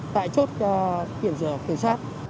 tại chốt lực lượng